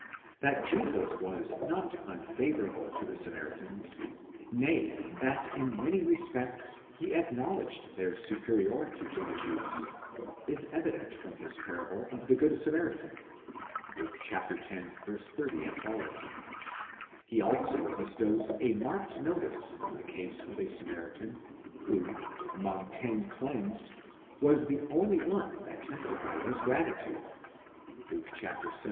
t That Jesus was not unfavourable to the Samaritans, nay, that in many respects he acknow ledged their superiority to the Jews, is evident from his parable of the Good Samaritan (Luke x. 30 ff.) ; he also bestows a marked notice on the case of a Samaritan, who, among ten cleansed, was the only one that testified his gratitude (Luke Xvil.